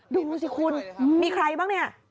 ดูสิคุณมีใครบ้างเนี่ย